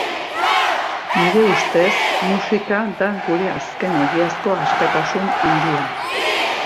Nire ustez, musika da gure azken egiazko askatasun handia.